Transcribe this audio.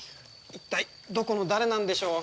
一体どこの誰なんでしょう？